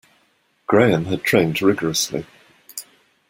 Graham had trained rigourously.